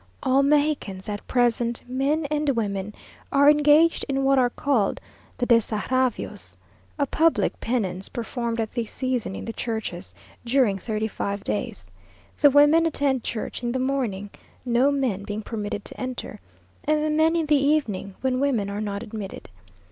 All Mexicans at present, men and women, are engaged in what are called the desagravios, a public penance performed at this season in the churches, during thirty five days. The women attend church in the morning, no men being permitted to enter, and the men in the evening, when women are not admitted.